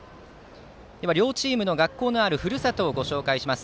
両チームの学校のあるふるさとを紹介します。